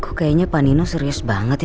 kok kayaknya pak nino serius banget ya